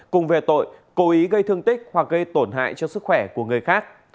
cùng về tội cố ý gây thương tích hoặc gây tổn hại cho sức khỏe của người khác